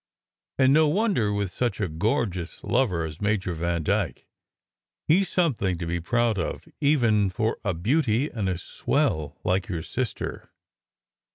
And no won der, with such a gorgeous lover as Major Vandyke ! He s something to be proud of even for a beauty and a swell like your sister."